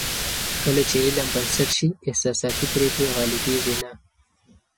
کله چې علم بنسټ شي، احساساتي پرېکړې غالبېږي نه.